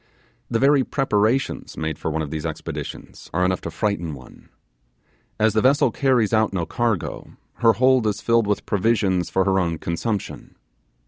The very preparations made for one of these expeditions are enough to frighten one. As the vessel carries out no cargo, her hold is filled with provisions for her own consumption.